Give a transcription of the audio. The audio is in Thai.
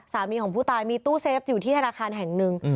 สามีของผู้ตายมีตู้เซฟอยู่ที่ธนาคารแห่งหนึ่ง